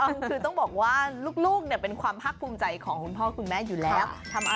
คือต้องบอกว่าลูกเป็นความทักภูมิใจของคุณพ่อคุณแม่อยู่แล้ว